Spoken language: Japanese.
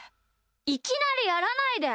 いきなりやらないで。